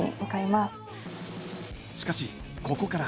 しかしここから。